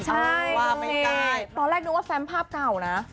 ใช่โอเคว่าไม่ใกล้ตอนแรกนึกว่าแฟมภาพเก่านะ